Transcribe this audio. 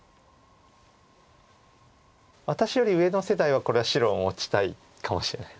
私より上の世代はこれは白を持ちたいかもしれないです。